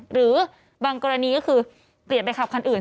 หรือบางกรณีก็คือเปลี่ยนไปขับคันอื่น